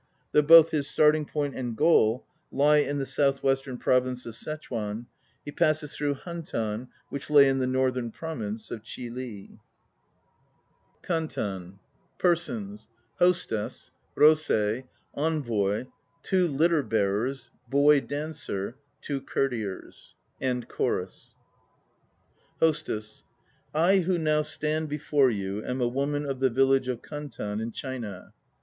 Though both hi tart ing point and goal lie in the south western province of Ssechuan, he passes through Hantan, 1 which lay in the northern province of Chih ii. 1 In Japanese, Kantan. 155 KANTAN PERSONS HOSTESS. TWO LITTER BEARERS. ROSEI. BOY DANCER. ENVOY. TWO COURTIERS. CHORUS. HOSTESS I who now stand before you am a woman of the village of Kantan in China.